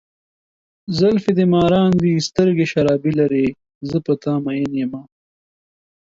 زلفې دې مارانو دي، سترګې شرابي لارې، زه په ته ماين یمه.